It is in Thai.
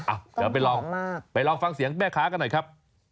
อ่ะเดี๋ยวไปลองฟังเสียงแม่ค้ากันหน่อยครับ